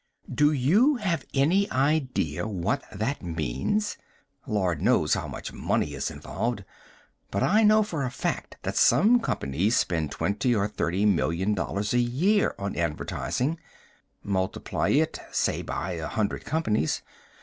Do you have any idea what that means? Lord knows how much money is involved, but I know for a fact that some companies spend twenty or thirty million dollars a year on advertising. Multiply it, say, by a hundred companies.